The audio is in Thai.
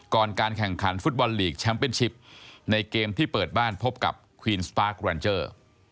การแข่งขันฟุตบอลลีกแชมป์เป็นชิปในเกมที่เปิดบ้านพบกับควีนสปาร์คแรนเจอร์